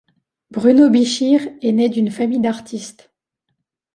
Bruno Bichir est né d'une famille d'artistes.